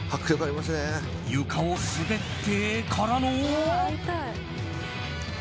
床を滑ってからの。